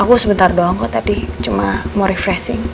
aku sebentar doang kok tadi cuma mau refreshing